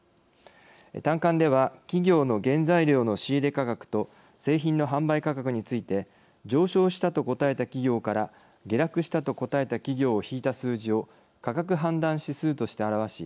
短観では企業の原材料の仕入れ価格と製品の販売価格について「上昇した」と答えた企業から「下落した」と答えた企業を引いた数字を価格判断指数として表し